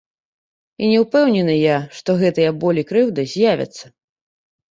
І не ўпэўнены я, што гэтыя боль і крыўда з'явяцца.